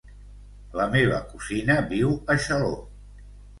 La meva cosina viu a Xaló.